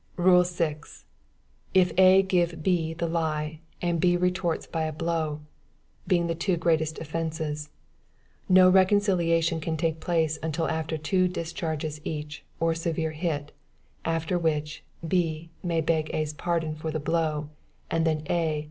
"Rule 6. If A. give B. the lie, and B. retorts by a blow, (being the two greatest offences,) no reconciliation can take place till after two discharges each, or a severe hit; after which, B. may beg A.'s pardon for the blow, and then A.